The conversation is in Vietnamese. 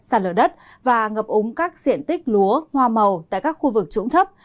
sạt lở đất và ngập úng các diện tích lúa hoa màu tại các khu vực trũng thấp